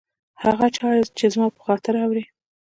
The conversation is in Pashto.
هغه چاري چي زما پر خاطر اوري